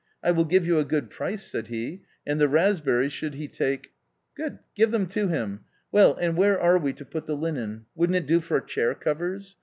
' I will give you a good price,' said he, ' and the raspberries should he take ....'"" Good ! give them to him. Well, and where are we to put the linen ? Wouldn't it do for chair covers